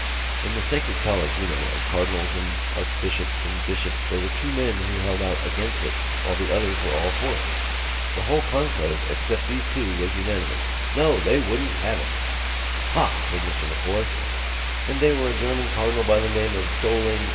"In the sacred college, you know, of cardinals and archbishops and bishops there were two men who held out against it while the others were all for it. The whole conclave except these two was unanimous. No! They wouldn't have it!" "Ha!" said Mr M'Coy. "And they were a German cardinal by the name of Dolling